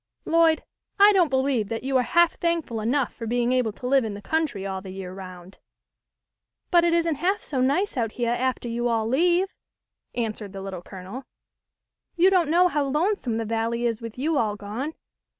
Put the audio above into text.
Lloyd, I don't believe that you are half thankful enough for being able to live in the country all the year round." " But it isn't half so nice out heah aftah you all leave," answered the Little Colonel. "You don't know how lonesome the Valley is with you all gone.